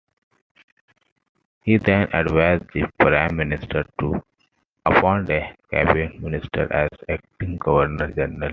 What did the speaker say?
He then advised the Prime Minister to appoint a cabinet minister as acting governor-general.